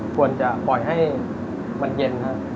ควรจะปล่อยให้มันเย็นครับ